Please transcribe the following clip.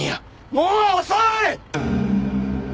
もう遅い！